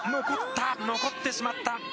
残った、残ってしまった。